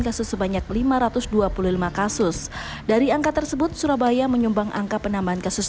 kasus sebanyak lima ratus dua puluh lima kasus dari angka tersebut surabaya menyumbang angka penambahan kasus